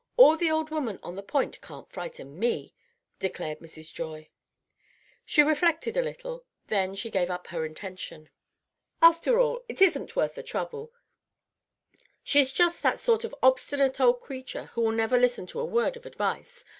All the old women on the Point can't frighten me," declared Mrs. Joy. She reflected a little; then she gave up her intention. "After all, it isn't worth the trouble. She's just that sort of obstinate old creature who will never listen to a word of advice.